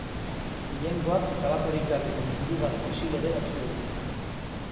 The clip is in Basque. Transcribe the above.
Gehiengoak tabakorik gabeko mundu bat posible dela uste du.